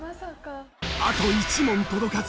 あと１問届かず。